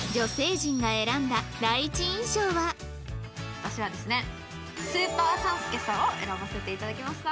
私はですねスーパー３助さんを選ばせていただきました。